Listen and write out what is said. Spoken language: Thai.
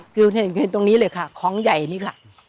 คือเห็นตรงนี้เลยค่ะของใหญ่นี่ค่ะ